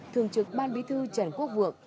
thường chức ban bí thư trần quốc vượng